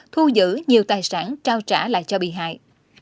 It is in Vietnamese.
thu giữ nhiều tài sản trao trả lại cho bị hại